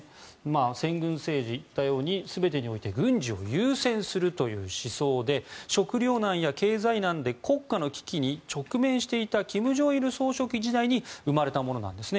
先軍政治は、全てにおいて軍事を優先するという姿勢で食糧難や経済難で国家の危機に直面していた金正日総書記時代に生まれたものです。